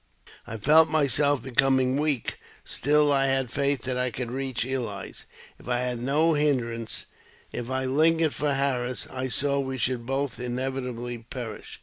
I felt myself becoming weak ; still, I had faith that I could reach Ely's, if I had no hindrance ; if I lingered for Harris, I saw we should both inevitably perish.